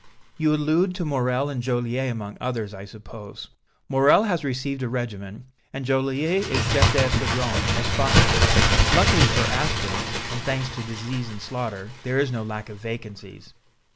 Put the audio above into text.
"You allude to Morrel and Joliette among others, I suppose. Morrel has received a regiment, and Joliette is Chef d'Escadron of Spahis. Luckily for aspirants, and thanks to disease and slaughter, there is no lack of vacancies."